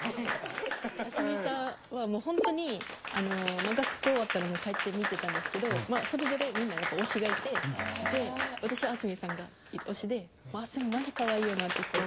あすみさんはもうほんとに学校終わったらもう帰って見てたんですけどそれぞれみんなやっぱ推しがいてで私はあすみさんが推しで「あすみマジかわいいよな」って言って。